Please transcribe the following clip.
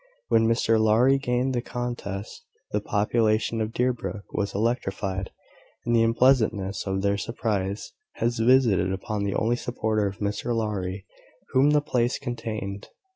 When Mr Lowry gained the contest, the population of Deerbrook was electrified, and the unpleasantness of their surprise was visited upon the only supporter of Mr Lowry whom the place contained.